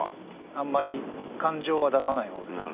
あんまり感情は出さない方ですね。